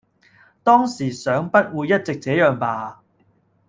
當時想不會一直這樣吧！